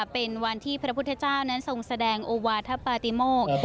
เป็นวันที่พระพุทธเจ้านั้นทรงแสดงโอวาธปาติโมก